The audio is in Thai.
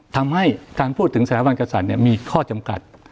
ทำให้การพูดถึงสถาบันกษัตริย์มีข้อจำกัด